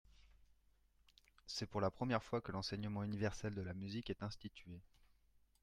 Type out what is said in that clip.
C'est pour la première fois que l'enseignement universel de la musique est institué.